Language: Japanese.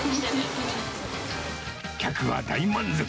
客は大満足。